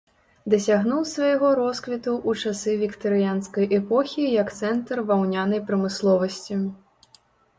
Дасягнуў свайго росквіту ў часы віктарыянскай эпохі як цэнтр ваўнянай прамысловасці.